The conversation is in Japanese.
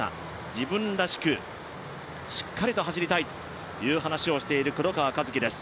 自分らしくしっかりと走りたいという話をしている黒川和樹です。